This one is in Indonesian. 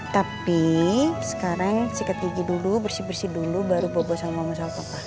tapi sekarang sikat gigi dulu bersih bersih dulu baru bawa bawa sama mama sama papa